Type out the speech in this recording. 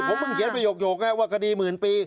ผมเพิ่งเขียนประโยคไงว่าคดีหมื่นปี